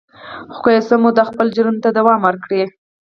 خو که يو څه موده خپل جرم ته دوام ورکړي.